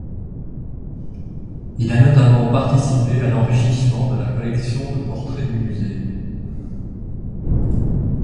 Il a notamment participer à l'enrichissement de la collection de portraits du musée.